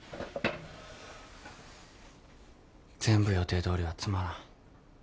全部予定どおりはつまらん。